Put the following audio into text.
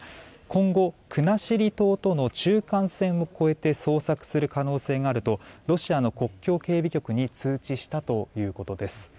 今後、国後島との中間線を越えて捜索する可能性があるとロシアの国境警備局に通知したということです。